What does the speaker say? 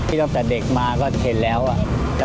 พี่ตั้งแต่เด็กมาก็เห็นแล้วครับ